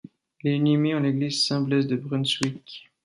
Il est inhumé en l'église Saint-Blaise de Brunswick.